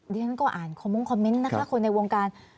ฉันก็อ่านคอมมงคอมเมนต์นะคะคนในวงการ